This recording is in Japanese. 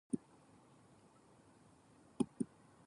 赤巻上青巻紙黄巻紙